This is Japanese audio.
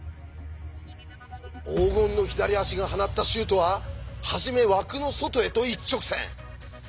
黄金の左足が放ったシュートは初め枠の外へと一直線！